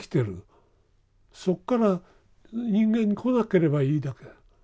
そっこから人間に来なければいいだけ。